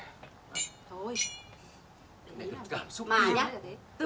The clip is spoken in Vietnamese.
cảm xúc gì